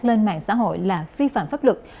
lên mạng xã hội là vi phạm pháp luật